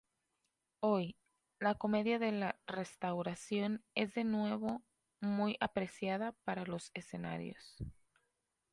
Hoy, la comedia de la Restauración es de nuevo muy apreciada para los escenarios.